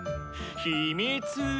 ひみつ。